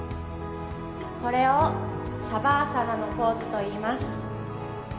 これをシャバーサナのポーズといいます